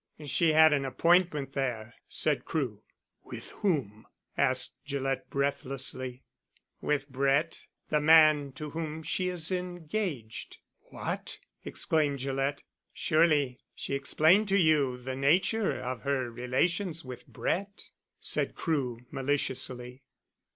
"She had an appointment there," said Crewe. "With whom?" asked Gillett breathlessly. "With Brett the man to whom she is engaged." "What!" exclaimed Gillett. "Surely she explained to you the nature of her relations with Brett?" said Crewe maliciously.